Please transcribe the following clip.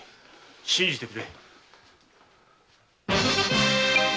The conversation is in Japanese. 信じてくれ。